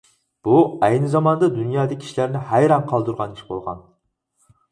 بۇ، ئەينى زاماندا دۇنيادا كىشىلەرنى ھەيران قالدۇرغان ئىش بولغان.